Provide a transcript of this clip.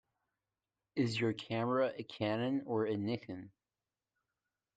Is your camera a Canon or a Nikon?